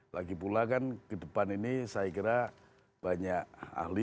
lagi pula kan ke depan ini saya kira banyak ahli